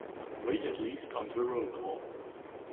Wait at least until roll call.